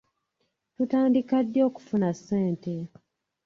Tutandika ddi okufuna ssente.